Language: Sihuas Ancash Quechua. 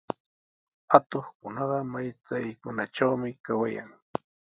Atuqkunaqa matraykunatrawmi kawayan.